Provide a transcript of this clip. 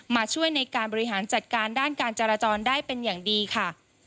มาช่วยในการบริหารจัดการด้านการจราจรได้เป็นอย่างดีค่ะ